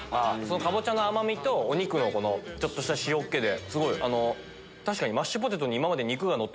カボチャの甘みとお肉のちょっとした塩気で。